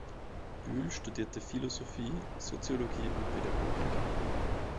Bühl studierte Philosophie, Soziologie und Pädagogik.